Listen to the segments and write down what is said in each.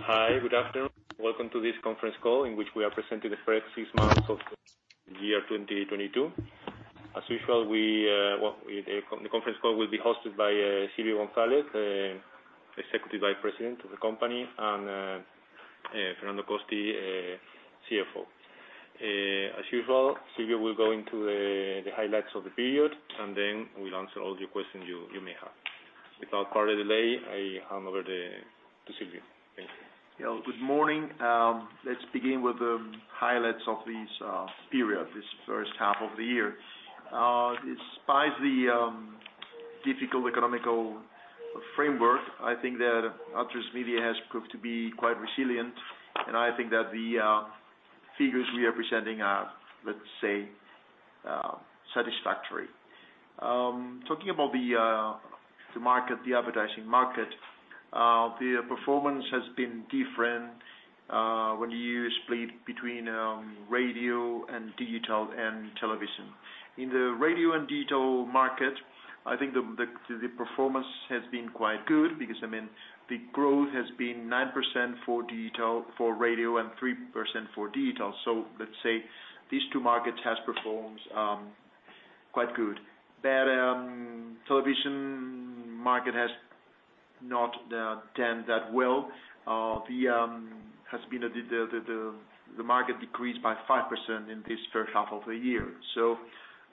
Hi, good afternoon. Welcome to this conference call, in which we are presenting the first six months of the year 2022. As usual, the conference call will be hosted by Silvio González, Executive Vice Chairman of the company, and Fernando Costi, CFO. As usual, Silvio will go into the highlights of the period, and then we'll answer all the questions you may have. Without further delay, I hand over to Silvio. Thank you. Yeah. Good morning. Let's begin with the highlights of this period, this first half of the year. Despite the difficult economic framework, I think that Atresmedia has proved to be quite resilient, and I think that the figures we are presenting are, let's say, satisfactory. Talking about the market, the advertising market, the performance has been different when you split between radio and digital and television. In the radio and digital market, I think the performance has been quite good because, I mean, the growth has been 9% for radio and 3% for digital. Let's say these two markets has performed quite good. Television market has not done that well. The market decreased by 5% in this first half of the year, so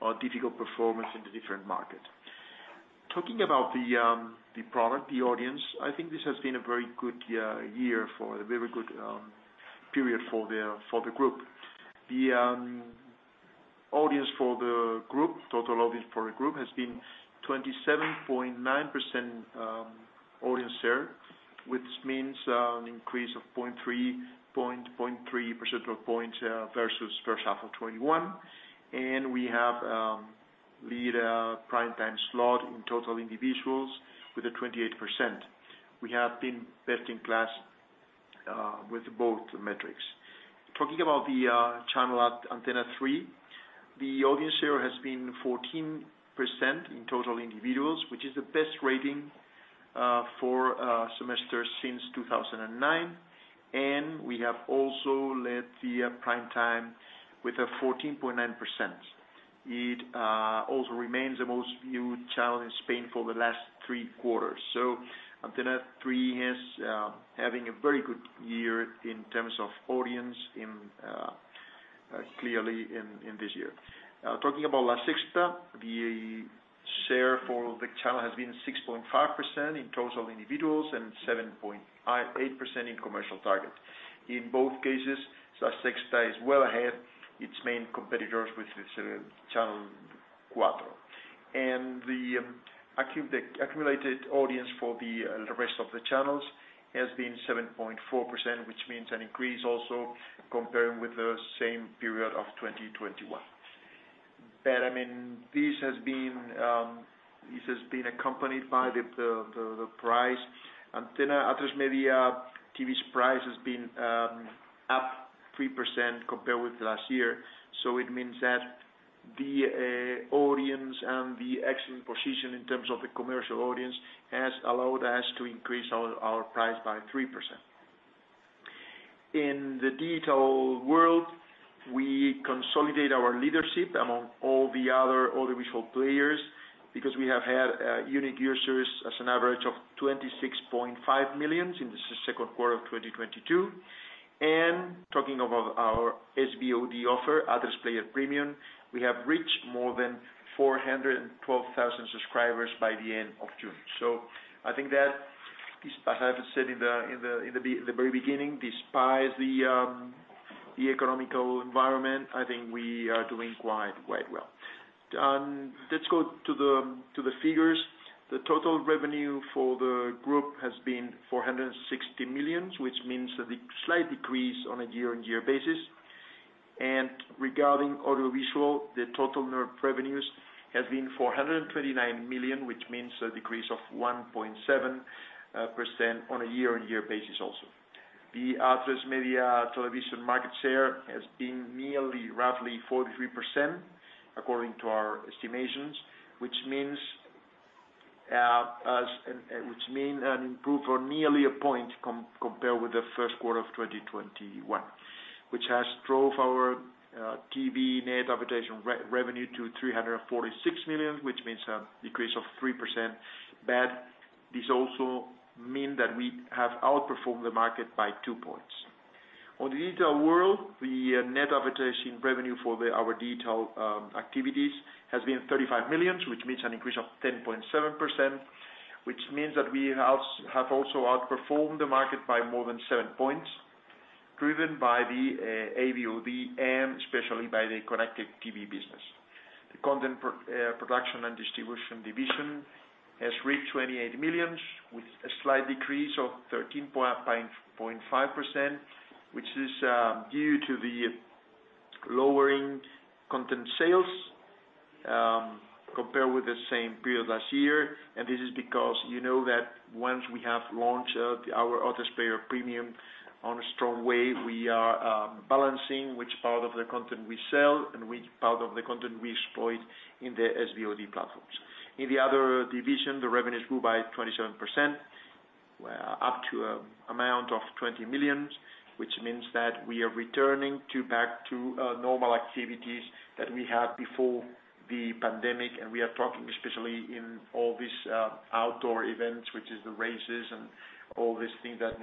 a difficult performance in the different market. Talking about the product, the audience, I think this has been a very good period for the group. The audience for the group, total audience for the group, has been 27.9% audience share, which means an increase of 0.3 percentage points versus first half of 2021. We have lead prime time slot in total individuals with a 28%. We have been best in class with both metrics. Talking about the channel at Antena 3, the audience share has been 14% in total individuals, which is the best rating for a semester since 2009. We have also led the prime time with a 14.9%. It also remains the most viewed channel in Spain for the last three quarters. Antena 3 is having a very good year in terms of audience, clearly in this year. Talking about laSexta, the share for the channel has been 6.5% in total individuals and 7.8% in commercial targets. In both cases, laSexta is well ahead its main competitors with its Channel Cuatro. The accumulated audience for the rest of the channels has been 7.4%, which means an increase also comparing with the same period of 2021. I mean, this has been accompanied by the price. Antena Atresmedia TV's price has been up 3% compared with last year. It means that the audience and the excellent position in terms of the commercial audience has allowed us to increase our price by 3%. In the digital world, we consolidate our leadership among all the other audiovisual players because we have had unique users as an average of 26.5 million in the second quarter of 2022. Talking about our SVOD offer, atresplayer PREMIUM, we have reached more than 412,000 subscribers by the end of June. I think that this, as I have said in the very beginning, despite the economic environment, I think we are doing quite well. Let's go to the figures. The total revenue for the group has been 460 million, which means a slight decrease on a year-on-year basis. Regarding audiovisual, the total revenues has been 429 million, which means a decrease of 1.7% on a year-on-year basis also. The Atresmedia television market share has been nearly, roughly 43% according to our estimations, which means an improvement of nearly a point compared with the first quarter of 2021, which has drove our TV net advertisement revenue to 346 million, which means a decrease of 3%. This also means that we have outperformed the market by two points. On the digital world, the net advertising revenue for our digital activities has been 35 million, which means an increase of 10.7%, which means that we have also outperformed the market by more than seven points, driven by the AVOD and especially by the connected TV business. The content production and distribution division has reached 28 million, with a slight decrease of 13.5%, which is due to the lower content sales compared with the same period last year. This is because you know that once we have launched our atresplayer PREMIUM in a strong way, we are balancing which part of the content we sell and which part of the content we exploit in the SVOD platforms. In the other division, the revenues grew by 27%, up to amount of 20 million, which means that we are returning to normal activities that we had before the pandemic. We are talking especially in all these outdoor events, which is the races and all these things that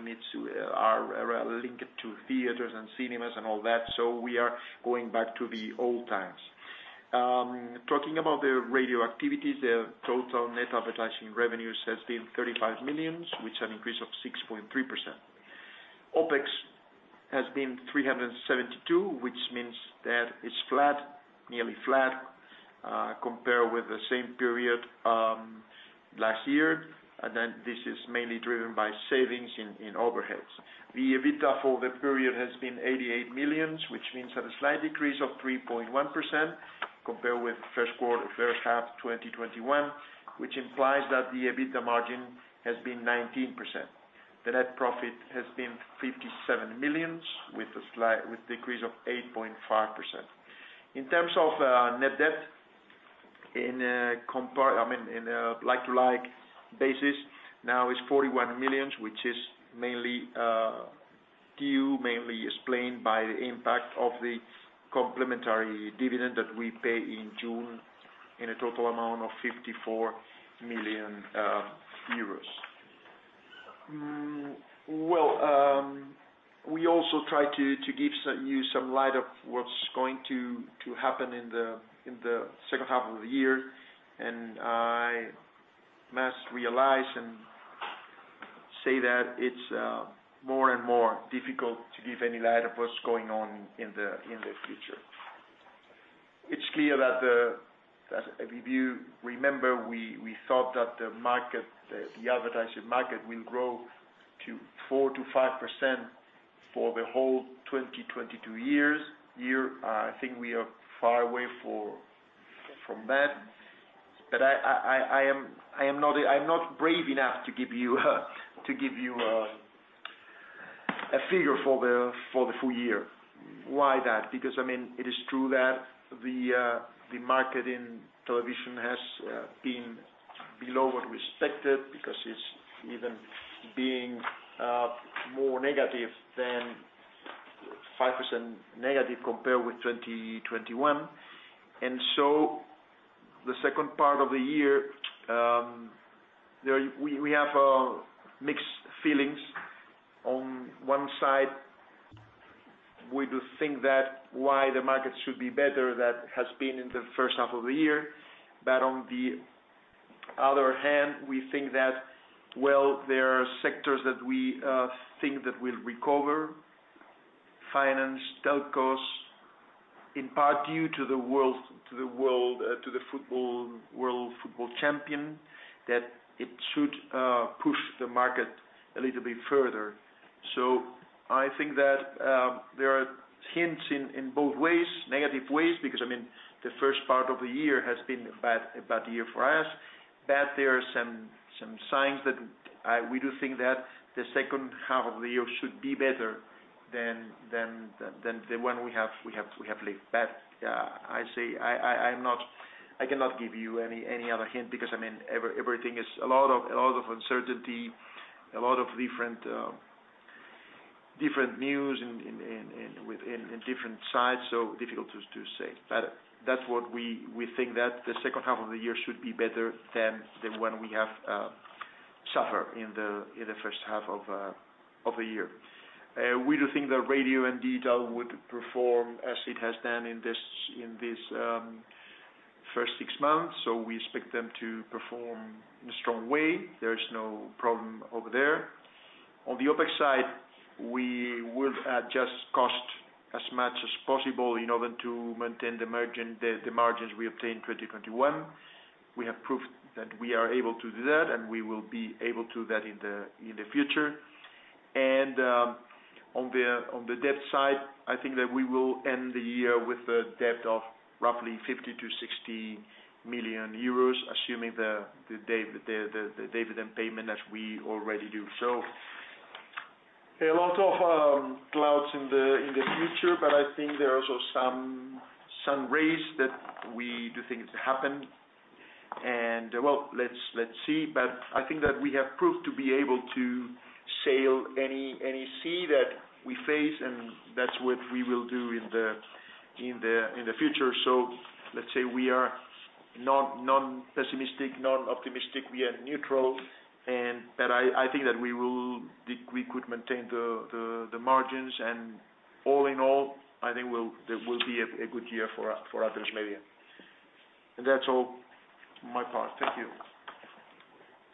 are linked to theaters and cinemas and all that. We are going back to the old times. Talking about the radio activities, the total net advertising revenues has been 35 million, which is an increase of 6.3%. OpEx has been 372, which means that it's flat, nearly flat, compared with the same period last year. This is mainly driven by savings in overheads. The EBITDA for the period has been 88 million, which means that a slight decrease of 3.1% compared with first half 2021, which implies that the EBITDA margin has been 19%. The net profit has been 57 million, with a decrease of 8.5%. In terms of net debt in a like-for-like basis now is 41 million, which is mainly due, mainly explained by the impact of the complementary dividend that we pay in June in a total amount of 54 million euros. Well, we also try to give you some light of what's going to happen in the second half of the year. I must realize and say that it's more and more difficult to give any light of what's going on in the future. It's clear that if you remember, we thought that the advertising market will grow 4%-5% for the whole 2022 year. I think we are far away from that. I'm not brave enough to give you a figure for the full year. Why that? Because I mean it is true that the market in television has been below what we expected because it's even being more negative than 5% negative compared with 2021. The second part of the year we have mixed feelings. On one side, we do think that the market should be better than it has been in the first half of the year. On the other hand, we think that well there are sectors that we think that will recover. Finance, telcos, in part due to the World Cup that it should push the market a little bit further. I think that there are hints in both ways, negative ways, because I mean the first part of the year has been a bad year for us. There are some signs that we do think that the second half of the year should be better than the one we have lived. I cannot give you any other hint because I mean everything is a lot of uncertainty, a lot of different news in different sides. It is difficult to say. That's what we think that the second half of the year should be better than when we have suffer in the first half of the year. We do think that radio indeed would perform as it has been in this first 6 months. We expect them to perform in a strong way. There is no problem over there. On the OpEx side, we will adjust cost as much as possible in order to maintain the margin, the margins we obtained in 2021. We have proved that we are able to do that, and we will be able to do that in the future. On the debt side, I think that we will end the year with a debt of roughly 50-60 million euros, assuming the dividend payment as we already do. A lot of clouds in the future, but I think there are also some rays that we do think it's happened. Well, let's see. I think that we have proved to be able to sail any sea that we face, and that's what we will do in the future. Let's say we are non-pessimistic, non-optimistic. We are neutral. I think that we could maintain the margins. All in all, I think that will be a good year for Atresmedia. That's all my part. Thank you.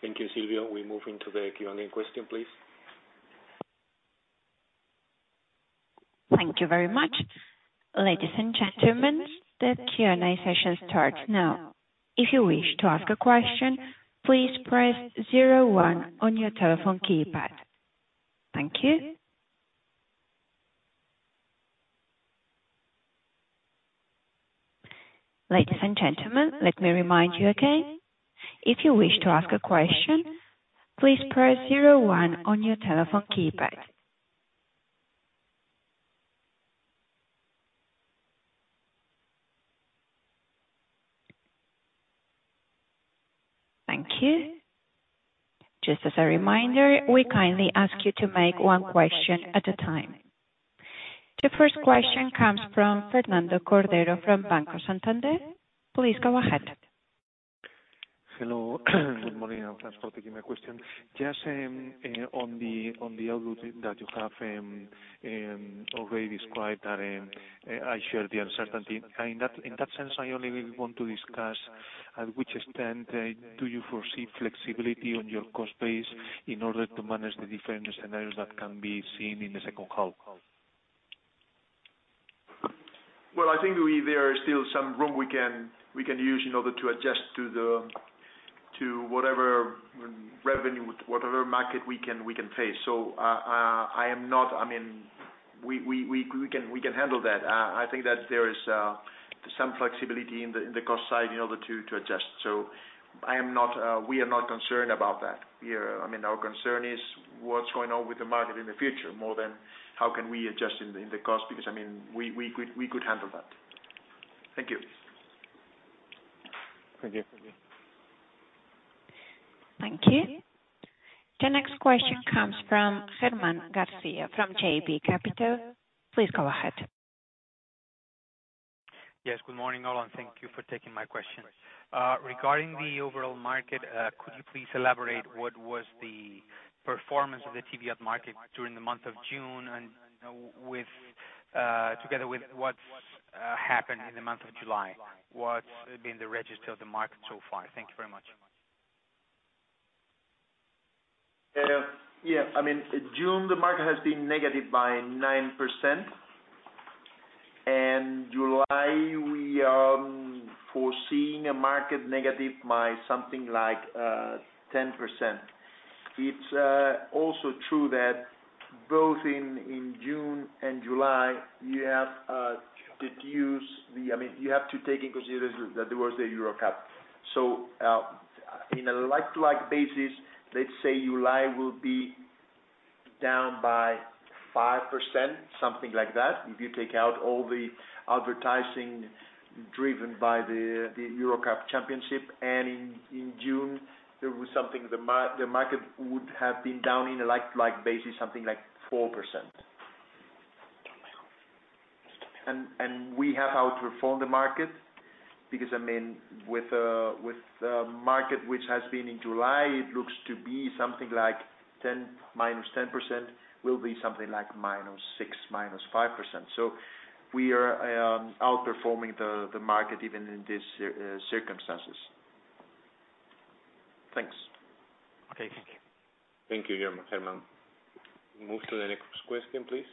Thank you, Silvio. We move into the Q&A question, please. Thank you very much. Ladies and gentlemen, the Q&A session starts now. If you wish to ask a question, please press zero one on your telephone keypad. Thank you. Ladies and gentlemen, let me remind you again. If you wish to ask a question, please press zero one on your telephone keypad. Thank you. Just as a reminder, we kindly ask you to make one question at a time. The first question comes from Fernando Cordero from Banco Santander. Please go ahead. Hello. Good morning, and thanks for taking my question. Just on the output that you have already described that I share the uncertainty. In that sense, I only want to discuss to what extent do you foresee flexibility on your cost base in order to manage the different scenarios that can be seen in the second half? Well, I think there is still some room we can use in order to adjust to whatever revenue, whatever market we can face. I mean, we can handle that. I think that there is some flexibility in the cost side in order to adjust. We are not concerned about that. I mean, our concern is what's going on with the market in the future more than how can we adjust in the cost, because, I mean, we could handle that. Thank you. Thank you. Thank you. The next question comes from Germán García from JB Capital. Please go ahead. Yes, good morning, all, and thank you for taking my question. Regarding the overall market, could you please elaborate what was the performance of the TV ad market during the month of June and, together with what's happened in the month of July? What's been the register of the market so far? Thank you very much. Yeah. I mean, June, the market has been negative by 9%. July we are foreseeing a market negative by something like 10%. It's also true that both in June and July, you have I mean, you have to take into consideration that there was the Euro Cup. In a like-for-like basis, let's say July will be down by 5%, something like that, if you take out all the advertising driven by the Euro Cup championship. In June, there was something the market would have been down in a like-for-like basis, something like 4%. We have outperformed the market because, I mean, with the market which has been in July, it looks to be something like -10%. We will be something like -6%, -5%. We are outperforming the market even in this circumstances. Thanks. Okay, thank you. Thank you, Germán. Move to the next question, please.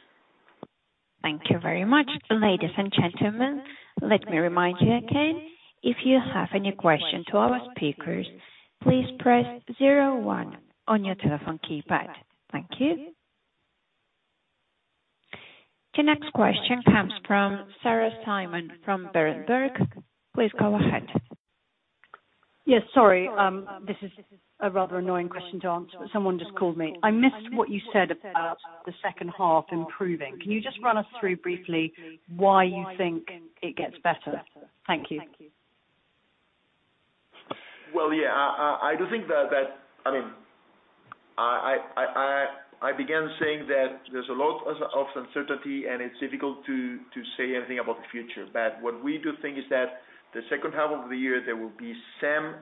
Thank you very much. Ladies and gentlemen, let me remind you again. If you have any question to our speakers, please press zero one on your telephone keypad. Thank you. The next question comes from Sarah Simon from Berenberg. Please go ahead. Yes. Sorry, this is a rather annoying question to answer, but someone just called me. I missed what you said about the second half improving. Can you just run us through briefly why you think it gets better? Thank you. Well, yeah. I do think that. I mean, I began saying that there's a lot of uncertainty, and it's difficult to say anything about the future. What we do think is that the second half of the year, there will be some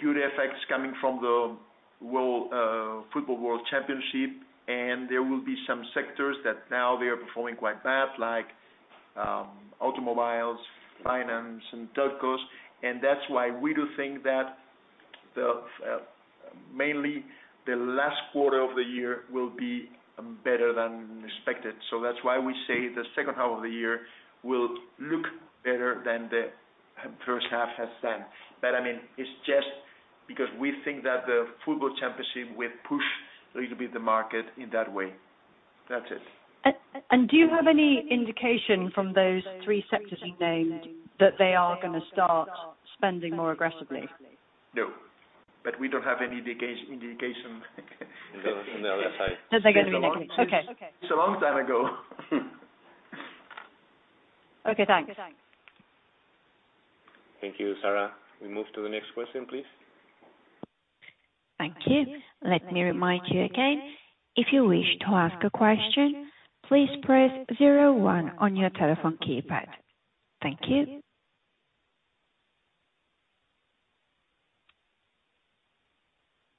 positive effects coming from the world football world championship, and there will be some sectors that now they are performing quite bad, like automobiles, finance, and telcos. That's why we do think that mainly the last quarter of the year will be better than expected. That's why we say the second half of the year will look better than the first half has done. I mean, it's just because we think that the football championship will push a little bit the market in that way. That's it. Do you have any indication from those three sectors you named that they are gonna start spending more aggressively? No. We don't have any vacancy indication from the other side. That they're gonna be negative. Okay. It's a long time ago. Okay, thanks. Thank you, Sarah. We move to the next question, please. Thank you. Let me remind you again. If you wish to ask a question, please press zero one on your telephone keypad. Thank you.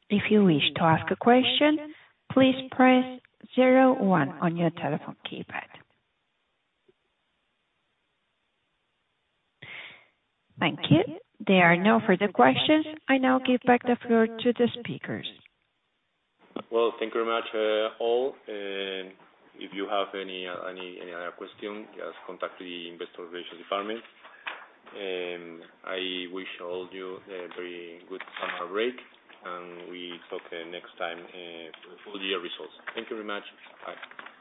If you wish to ask a question, please press zero one on your telephone keypad. Thank you. There are no further questions. I now give back the floor to the speakers. Well, thank you very much, all. If you have any other question, just contact the investor relations department. I wish all you a very good summer break, and we talk next time for the full year results. Thank you very much. Bye.